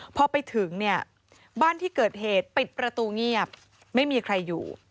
พอไปถึงเนี่ยบ้านที่เกิดเหตุปิดประตูเงียบไม่มีใครอยู่